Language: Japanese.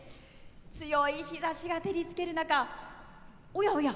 強い日ざしが照りつける中おやおや